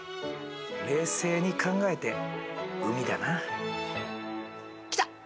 冷静に考えて海だな。来た！